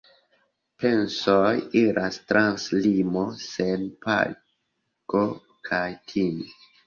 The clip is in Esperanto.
Pensoj iras trans limo sen pago kaj timo.